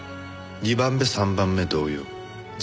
２番目３番目同様事故死。